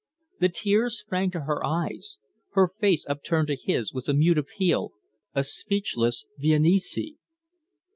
The tears sprang to her eyes; her face upturned to his was a mute appeal, a speechless 'Viens ici'.